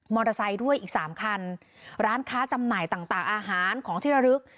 ด้วยอีกสามคันร้านค้าจำหน่ายต่างต่างอาหารของที่ระลึก